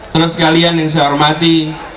terus sekalian yang saya hormati